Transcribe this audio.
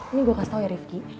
ini gue kasih tau ya rifki